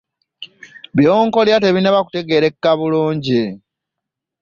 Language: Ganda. By'okolera tebinnaba kutegeerekeka bulungi.